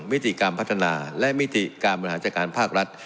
วิธีการพัฒนาและมิติการบริหารจัดการภาครัฐ